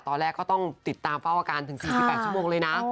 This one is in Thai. ตอนแรกก็ต้องติดตามเฝ้าอาการถึง๔๘ชั่วโมงเลยนะ